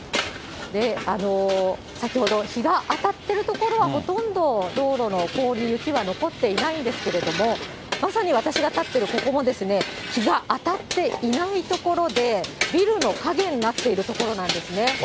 先ほど日が当たってる所はほとんど道路の氷、雪は残っていないんですけれども、まさに私が立っているここも、日が当たっていない所で、ビルの陰になっている所なんですね。